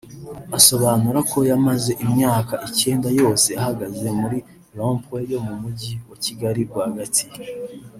Asobanura ko yamaze imyaka icyenda yose ahagaze muri Rond Point yo mu Mujyi wa Kigali rwagati